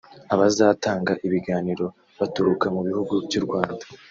Abazatanga ibiganiro baturuka mu bihugu by’u Rwanda